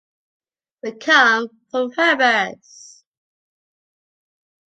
We come from Herbers.